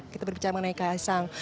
kita berbicara mengenai kaisang